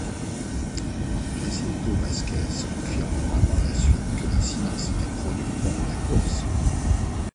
Jacinto Vazquez confirmera par la suite que l'incident s'était produit pendant la course.